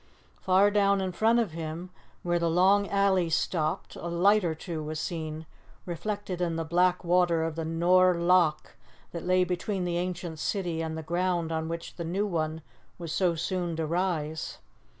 Far down in front of him, where the long alley stopped, a light or two was seen reflected in the black water of the Nor' Loch that lay between the ancient city and the ground on which the new one was so soon to rise.